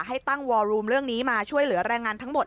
ให้ตั้งวอรูมเรื่องนี้มาช่วยเหลือแรงงานทั้งหมด